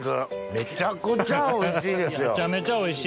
めちゃめちゃおいしい。